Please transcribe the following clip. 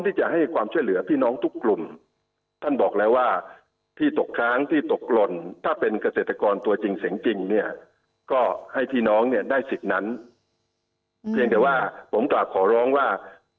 ตัวจริงเสียงจริงเนี่ยก็ให้ที่น้องเนี่ยได้สิทธิ์นั้นเพียงแต่ว่าผมตอบขอร้องว่า